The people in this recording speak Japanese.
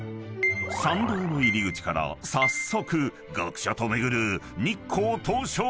［参道の入り口から早速学者と巡る日光東照宮］